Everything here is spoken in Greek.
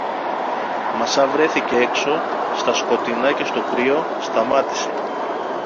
Μα σα βρέθηκε έξω, στα σκοτεινά και στο κρύο, σταμάτησε.